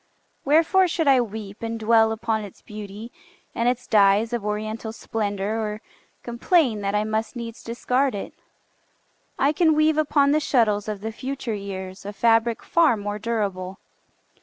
Wherefore should I weep And dwell upon its beauty, and its dyes Of oriental splendor, or complain That I must needs discard it? I can weave Upon the shuttles of the future years A fabric far more durable.